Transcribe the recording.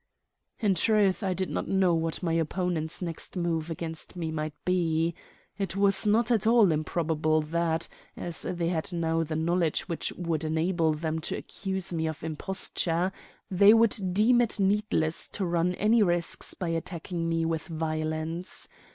In truth I did not know what my opponents' next move against me might be. It was not at all improbable that, as they had now the knowledge which would enable them to accuse me of imposture, they would deem it needless to run any risks by attacking me with violence.